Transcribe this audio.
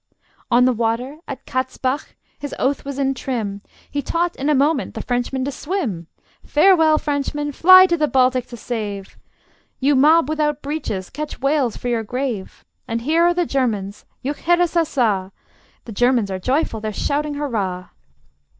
On the water, at Katzbach, his oath was in trim: He taught in a moment the Frenchmen to swim. Farewell, Frenchmen; fly to the Baltic to save! You mob without breeches, catch whales for your grave. And here are the Germans: juchheirassassa! The Germans are joyful: they're shouting hurrah!